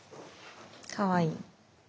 かわいい。